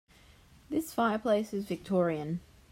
This fireplace is Victorian.